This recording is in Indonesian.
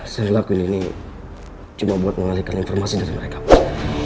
saya ngelakuin ini cuma buat mengalihkan informasi dari mereka pak